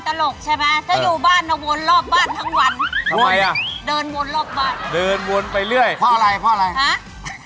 ทำไมอ่ะเดินวนรอบบ้านเดินวนไปเรื่อยพออะไรพออะไรฮะ